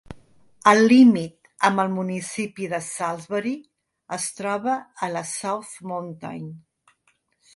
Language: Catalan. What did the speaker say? El límit amb el municipi de Salisbury es troba a la South Mountain.